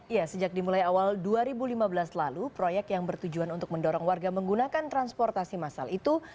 ya sejak dimulai awal dua ribu lima belas lalu proyek yang bertujuan untuk mendorong warga menggunakan transportasi massal itu